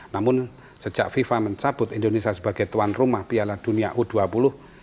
namun sejak fifa mencabut indonesia sebagai tuan rumah piala dunia u dua puluh